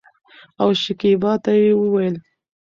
او شکيبا ته يې وويل